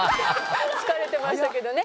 疲れてましたけどね。